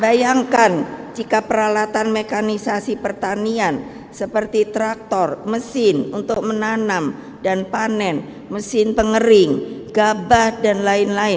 bayangkan jika peralatan mekanisasi pertanian seperti traktor mesin untuk menanam dan panen mesin pengering gabah dan lain lain